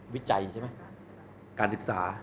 วิจัยใช่ไหมการศึกษา